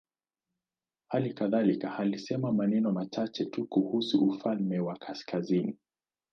Hali kadhalika alisema maneno machache tu kuhusu ufalme wa kaskazini.